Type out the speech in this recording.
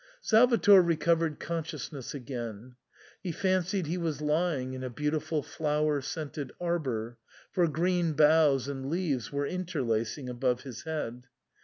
Salvator recovered consciousness again ; he fancied he was lying in a beautiful flower scented arbour, for green boughs and leaves were interlacing above his head.